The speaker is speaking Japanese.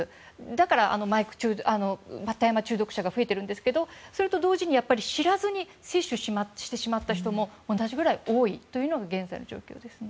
だから、大麻中毒者が増えているんですがそれと同時に知らずに摂取してしまった人も同じぐらい多いというのが現在の状況ですね。